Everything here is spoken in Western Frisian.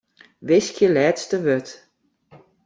Wiskje lêste wurd.